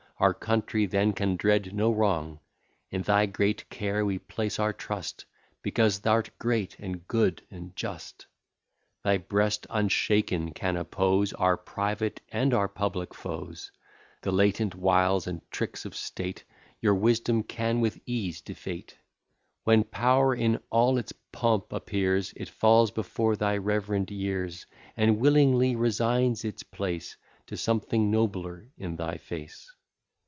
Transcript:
Our country then can dread no wrong: In thy great care we place our trust, Because thou'rt great, and good, and just: Thy breast unshaken can oppose Our private and our public foes: The latent wiles, and tricks of state, Your wisdom can with ease defeat. When power in all its pomp appears, It falls before thy rev'rend years, And willingly resigns its place To something nobler in thy face.